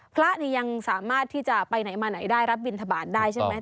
พระเนี่ยยังสามารถที่จะไปไหนมาไหนได้รับบินทบาทได้ใช่ไหม